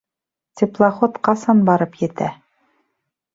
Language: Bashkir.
Теплоход ҡасан барып етә?